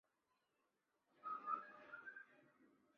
专辑也在爱尔兰的排行榜进入前十位。